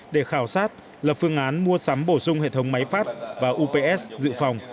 để khảo sát lập phương án mua sắm bổ sung hệ thống máy phát và ups dự phòng